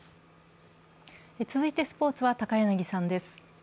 続いてスポーツは高柳さんです。